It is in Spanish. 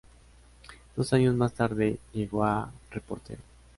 Dos años más tarde llegó a reportero.